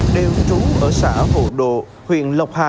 đều trú ở xã hồ độ huyện lộc hà tỉnh hà tĩnh